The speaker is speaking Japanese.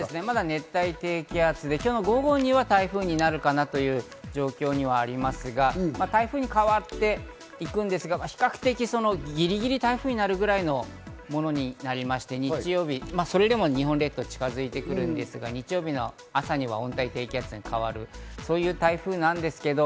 熱帯低気圧で今日の午後には台風になるかなという状況にはなりますが、台風に変わっていくんですが、比較的ぎりぎり、台風になるぐらいのものになりまして、日曜日、それでも日本列島に近づいてくるんですが、日曜日の朝には温帯低気圧に変わる、そういう台風なんですけど。